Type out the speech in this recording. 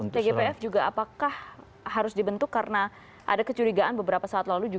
tgpf juga apakah harus dibentuk karena ada kecurigaan beberapa saat lalu